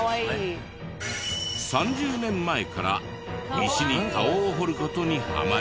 ３０年前から石に顔を彫る事にハマり。